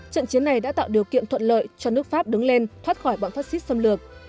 trận chiến này đã tạo điều kiện thuận lợi cho nước pháp đứng lên thoát khỏi bọn phát xít xâm lược